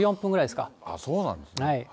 そうなんですね。